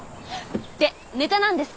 でネタなんですけどー。